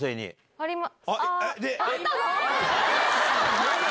あります。